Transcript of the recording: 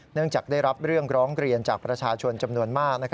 จากได้รับเรื่องร้องเรียนจากประชาชนจำนวนมาก